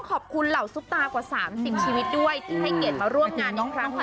เหล่าซุปตากว่า๓๐ชีวิตด้วยที่ให้เกียรติมาร่วมงานในครั้งนี้